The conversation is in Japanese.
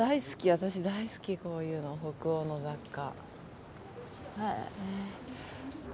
私大好きこういうの北欧の雑貨。